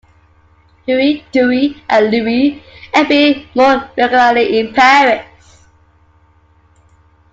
Huey, Dewey and Louie appear more regularly in Paris.